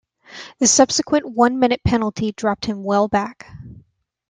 The subsequent one-minute penalty dropped him well back.